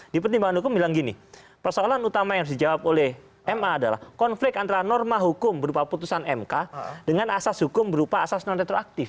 di pertimbangan hukum bilang gini persoalan utama yang harus dijawab oleh ma adalah konflik antara norma hukum berupa putusan mk dengan asas hukum berupa asas non retroaktif